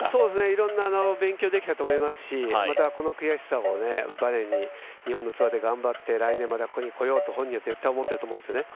いろんな勉強できたと思いますし、またこの悔しさをバネに日本のツアーを頑張って来年またここに来ようと本人は絶対思っていると思うんですね。